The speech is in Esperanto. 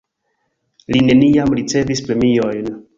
Li neniam ricevis premiojn.